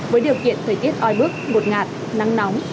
với điều kiện thời tiết oi bức ngột ngạt nắng nóng